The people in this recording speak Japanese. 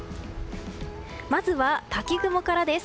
まずは滝雲からです。